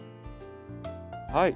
はい。